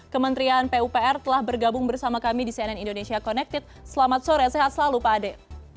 kementerian pupr telah bergabung bersama kami di cnn indonesia connected selamat sore sehat selalu pak ade